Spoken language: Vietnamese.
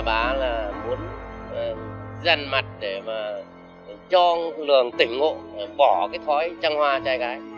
và bà là muốn dằn mặt để mà cho lường tỉnh ngộ bỏ cái thói trăng hoa trai gái